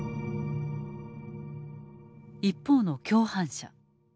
一方の共犯者。